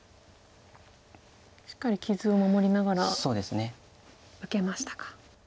しっかり傷を守りながら受けましたか。